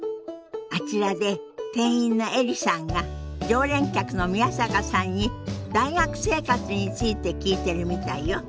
あちらで店員のエリさんが常連客の宮坂さんに大学生活について聞いてるみたいよ。